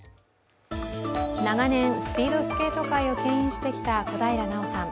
長年、スピードスケート界をけん引してきた小平奈緒さん。